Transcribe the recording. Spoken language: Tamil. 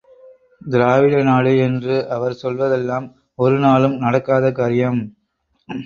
திராவிடநாடு என்று அவர் சொல்வதெல்லாம் ஒரு நாளும் நடக்காத காரியம்.